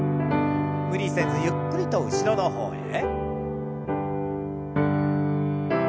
無理せずゆっくりと後ろの方へ。